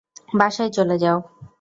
বাসায় চলে যাও।